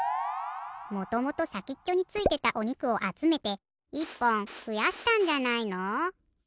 もともとさきっちょについてたおにくをあつめて１ぽんふやしたんじゃないの？